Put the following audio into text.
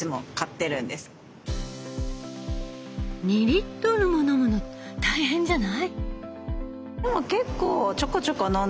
２リットルも飲むの大変じゃない？